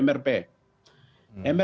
mrp ini adalah lembaga